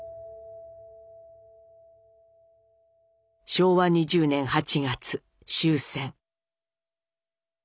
昭和２０年８月終戦。